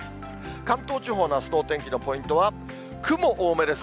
関東地方のあすのお天気のポイントは、雲多めです。